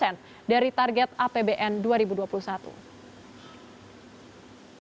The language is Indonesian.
angka ini mencapai rp sepuluh tiga miliar dolar as